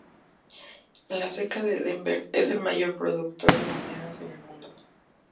La ceca de Denver es el mayor productor de monedas en el mundo.